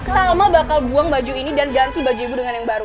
salma bakal buang baju ini dan ganti baju ibu dengan yang baru